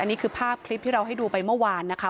นี่คือภาพคลิปที่เราให้ดูไปเมื่อวานนะคะ